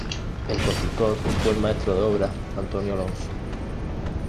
El constructor fue el maestro de obras Antonio Alonso.